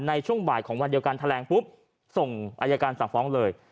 ในช่วงบ่ายของวันเดียวกันแถลงปุ๊บส่งอายการสั่งฟ้องเลย